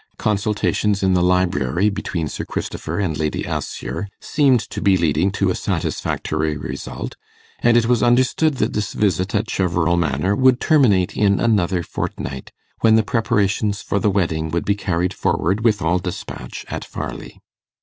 Consultations in the library between Sir Christopher and Lady Assher seemed to be leading to a satisfactory result; and it was understood that this visit at Cheverel Manor would terminate in another fortnight, when the preparations for the wedding would be carried forward with all despatch at Farleigh.